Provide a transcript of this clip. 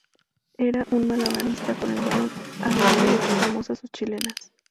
Era un malabarista con el balón, habiendo hecho famosas sus chilenas.